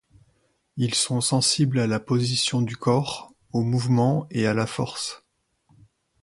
Ils sont sensibles à la position du corps, aux mouvements et à la force.